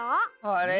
あれ？